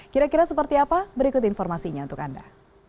kira kira seperti apa berikut informasinya untuk anda